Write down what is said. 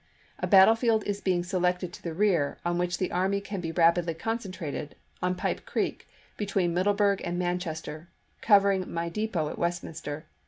A battlefield is being selected to the rear, on which the army can be rapidly concentrated, on Pipe Creek, between Middleburg and Manchester, covering my depot at Westminster.